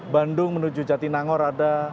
bandung menuju jatinangor ada